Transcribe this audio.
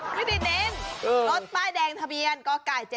วิธีเน้นรถป้ายแดงทะเบียนก็ไก่๗๗๕๓ค่ะ